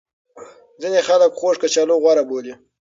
ځینې خلک خوږ کچالو غوره بولي.